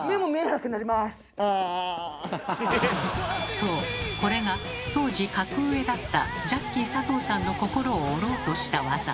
そうこれが当時格上だったジャッキー佐藤さんの心を折ろうとした技。